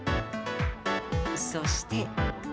そして。